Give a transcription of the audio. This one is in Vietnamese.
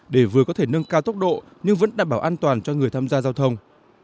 để vừa có thể nâng cao tốc độ nhưng vẫn đảm bảo an toàn cho người tham gia giao thông